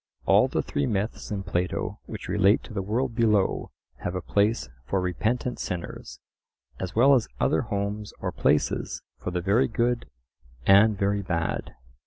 All the three myths in Plato which relate to the world below have a place for repentant sinners, as well as other homes or places for the very good and very bad.